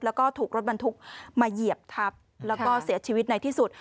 แล้วก็ถูกรถบรรทุกมาเหยียบทับแล้วก็เสียชีวิตในที่สุด